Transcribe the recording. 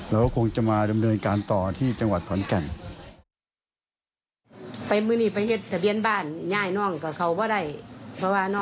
เราคงจะมาดำเนินการต่อที่จังหวัดขอนแก่น